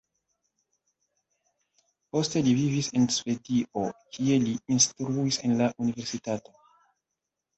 Poste li vivis en Svedio, kie li instruis en la universitato.